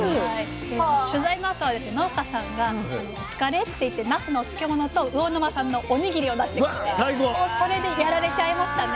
取材のあとは農家さんが「お疲れ」って言ってなすのお漬物と魚沼産のお握りを出してきてもうそれでやられちゃいましたね。